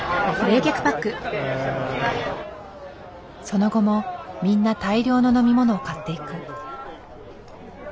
その後もみんな大量の飲み物を買っていく。